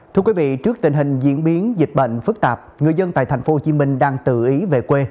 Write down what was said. thưa quý vị trước tình hình diễn biến dịch bệnh phức tạp người dân tại tp hcm đang tự ý về quê